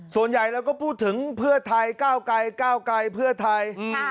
ส่วนใหญ่เราก็พูดถึงเพื่อไทยก้าวไกลก้าวไกลเพื่อไทย